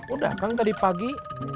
udah kan tadi pagi